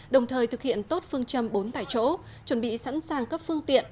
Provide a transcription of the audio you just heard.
đồng thời thực hiện tốt phương châm bốn tại chỗ chuẩn bị sẵn sàng các phương tiện